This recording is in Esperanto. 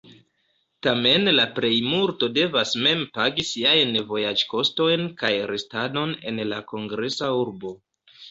Tamen la plejmulto devas mem pagi siajn vojaĝkostojn kaj restadon en la kongresa urbo.